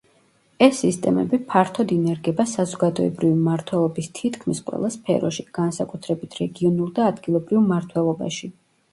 ეს სისტემები ფართოდ ინერგება საზოგადოებრივი მმართველობის თითქმის ყველა სფეროში, განსაკუთრებით რეგიონულ და ადგილობრივ მმართველობაში.